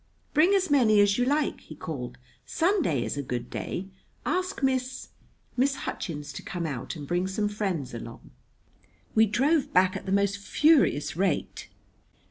"Bring as many as you like," he called. "Sunday is a good day. Ask Miss Miss Hutchins to come out and bring some friends along." We drove back at the most furious rate.